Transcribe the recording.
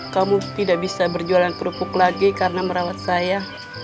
kamu tidak bisa berjualan kerupuk lagi karena merawat saya